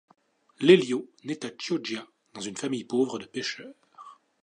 Lélio naît à Chioggia dans une famille pauvre de pêcheurs.